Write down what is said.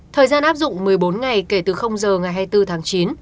thời gian áp dụng một mươi bốn ngày kể từ giờ ngày hai mươi bốn tháng chín